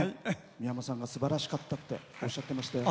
三山さんが、すばらしかったっておっしゃってましたよ。